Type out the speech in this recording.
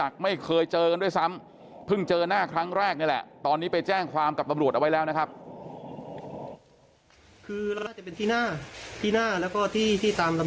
ก็คือได้รับบัตรเจ็บอาจจะบ้วม